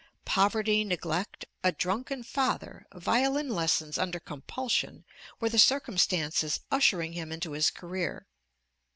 Poverty, neglect, a drunken father, violin lessons under compulsion, were the circumstances ushering him into his career.